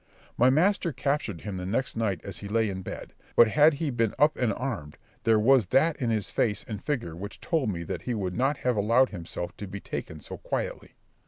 My master captured him the next night as he lay in bed; but had he been up and armed, there was that in his face and figure which told me that he would not have allowed himself to be taken so quietly.